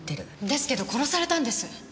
ですけど殺されたんです。